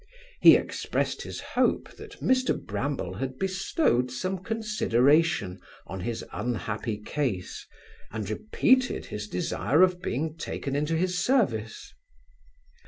He expressed his hope, that Mr Bramble had bestowed some consideration on his unhappy case, and repeated his desire of being taken into his service.